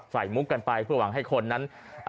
มุกกันไปเพื่อหวังให้คนนั้น